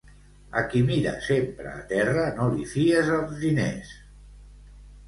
A qui mira sempre a terra, no li fies els diners.